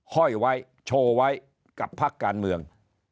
ห้อยไว้โชว์ไว้กับพักการเมือง